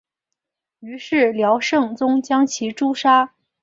于是辽圣宗将其诛杀。